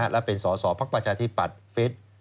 และเป็นส่อพักประชาธิปัตย์